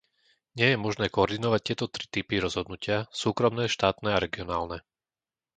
Nie je možné koordinovať tieto tri typy rozhodnutia, súkromné, štátne a regionálne.